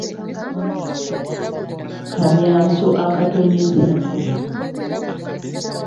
Kamyanso akatonnyesa enkuba.